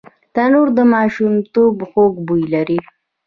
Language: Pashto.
تنور د ماشومتوب خوږ بوی لري